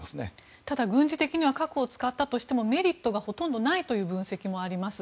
ただ、軍事的には核を使ったとしてもメリットがほとんどないという分析もあります。